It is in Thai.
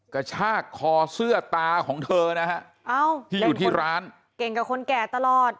กระชากคอเสื้อตาของเธอนะฮะที่อยู่ที่ร้านเก่งกับคนแก่ตลอด